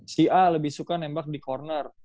si a lebih suka nembak di corner